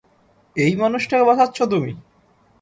এই মানুষটাকে বাঁচাচ্ছ তুমি?